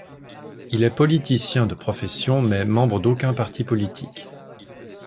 Il est politicien de profession, mais membre d'aucun parti politique.